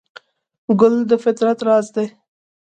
ګل د فطرت راز دی.